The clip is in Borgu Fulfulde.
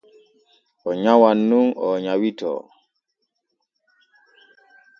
O nyawan nun o nyawitoo.